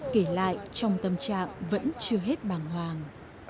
kộc lại trong tâm trạng vẫn chưa hết vàng hoàng